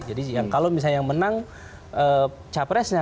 jadi kalau misalnya yang menang capresnya